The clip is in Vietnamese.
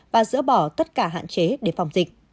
và dỡ bỏ tất cả hạn chế để phòng dịch